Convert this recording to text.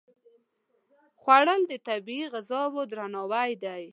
خوړل د طبیعي غذاو درناوی دی